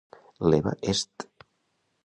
L'Eva est